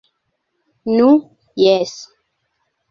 - Nu, jes...